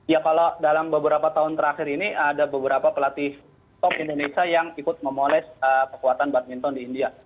ya kalau dalam beberapa tahun terakhir ini ada beberapa pelatih top indonesia yang ikut memoles kekuatan badminton di india